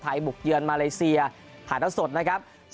บุกเยือนมาเลเซียถ่ายแล้วสดนะครับ